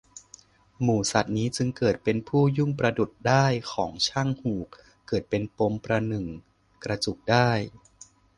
หมู่สัตว์นี้ จึงเกิดเป็นผู้ยุ่งประดุจด้ายของช่างหูก เกิดเป็นปมประหนึ่งกระจุกด้าย